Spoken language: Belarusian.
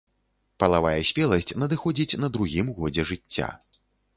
Палавая спеласць надыходзіць на другім годзе жыцця.